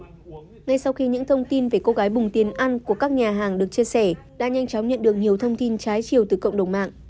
ngay sau khi những thông tin về cô gái bùng tiền ăn của các nhà hàng được chia sẻ đã nhanh chóng nhận được nhiều thông tin trái chiều từ cộng đồng mạng